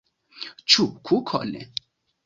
Ĉu kukon?